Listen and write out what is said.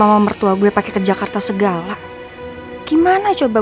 aduh mnee ga sila kej earthliche ssb ya